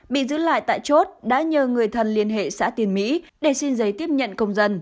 bị giữ lại tại chốt đã nhờ người thân liên hệ xã tiền mỹ để xin giấy tiếp nhận công dân